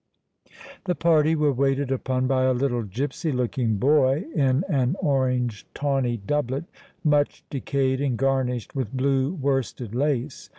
The party were waited upon by a little gipsy looking boy, in an orange tawny doublet, much decayed, and garnished with blue worsted lace.